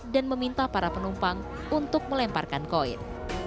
dan meminta para penumpang untuk melemparkan koin